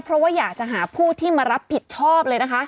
เพราะอยากจะหาผู้ที่มารับผิดชอบ